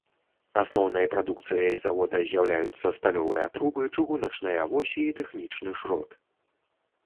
Асноўнай прадукцыяй завода з'яўляюцца сталёвыя трубы, чыгуначныя восі і тэхнічны шрот.